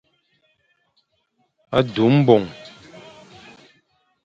A du mbong.